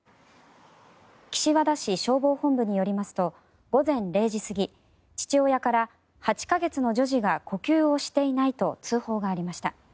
岸和田市消防本部によりますと午前０時過ぎ父親から８か月の女児が呼吸をしていないと通報がありました。